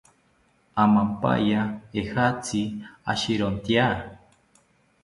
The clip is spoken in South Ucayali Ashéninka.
Amampaya ejatzi ashirontya